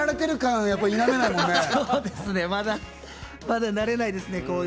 まだ慣れないですね。